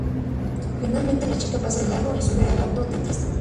Finalmente la chica pasa de largo y sube al auto de Tiesto.